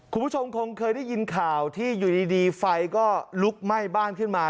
คุณผู้ชมคงเคยได้ยินข่าวที่อยู่ดีไฟก็ลุกไหม้บ้านขึ้นมา